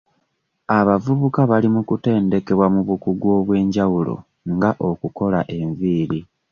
Abavubuka bali mu kutendekebwa mu bukugu obw'enjawulo nga okukola enviiri.